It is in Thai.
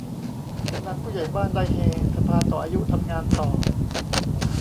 กำนันผู้ใหญ่บ้านได้เฮ สภาต่ออายุ ทำงานต่อ